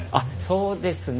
そうですね。